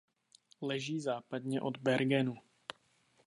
Leží západně od Bergenu.